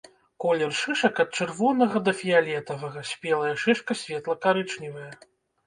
Колер шышак ад чырвонага да фіялетавага, спелая шышка светла-карычневая.